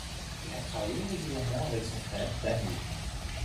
Il a travaillé régulièrement avec son frère, Daniil.